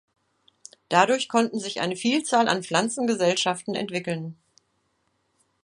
Dadurch konnten sich eine Vielzahl an Pflanzengesellschaften entwickeln.